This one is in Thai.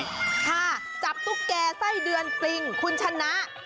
ค่ะจับตุ๊กแก่ไส้เดือนปลิงคุณชนะ